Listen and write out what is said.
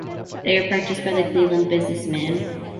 They were purchased by a Cleveland Business man.